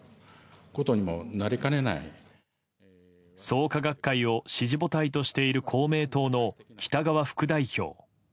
創価学会を支持母体としている公明党の北側副代表。